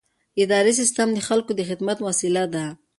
اداري سیستم د خلکو د خدمت وسیله ده.